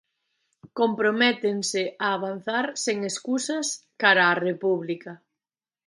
Comprométense a avanzar sen escusas cara á república.